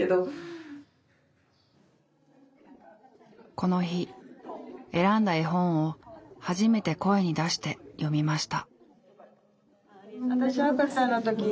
この日選んだ絵本を初めて声に出して読みました。